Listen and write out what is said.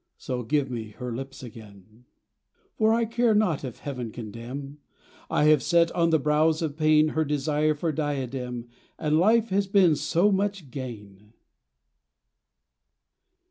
So give me her lips again, For I care not if heaven condemn, I have set on the brows of pain Her desire for diadem And life has been so much gain